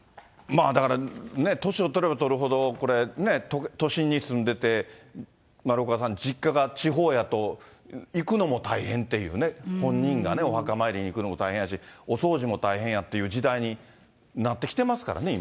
だから、年を取れば取るほど、都心に住んでて丸岡さん、実家が地方やと行くのも大変っていうね、本人がね、お墓参りに行くのも大変やし、お掃除も大変やって時代になってきてますからね、今。